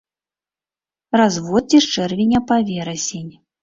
Разводдзе з чэрвеня па верасень.